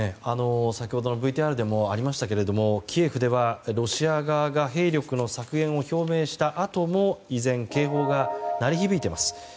先ほどのＶＴＲでもありましたけどもキエフではロシア側が兵力の削減を表明したあとも依然、警報が鳴り響いています。